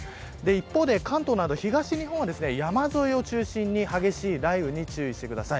一方で、関東など東日本は山沿いを中心に激しい雷雨に注意してください。